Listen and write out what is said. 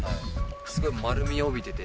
すごい丸みを帯びてて。